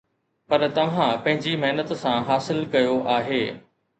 پر توهان پنهنجي محنت سان حاصل ڪيو آهي